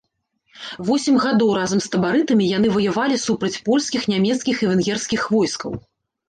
Восем гадоў разам з табарытамі яны ваявалі супраць польскіх, нямецкіх і венгерскіх войскаў.